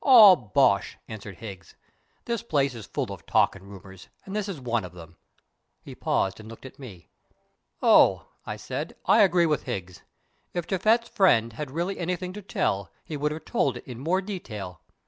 "All bosh," answered Higgs; "the place is full of talk and rumours, and this is one of them." He paused and looked at me. "Oh!" I said, "I agree with Higgs. If Japhet's friend had really anything to tell he would have told it in more detail.